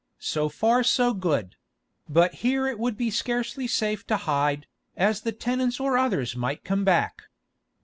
So far so good; but here it would be scarcely safe to hide, as the tenants or others might come back.